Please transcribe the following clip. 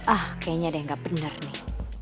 ah kayaknya ada yang gak bener nih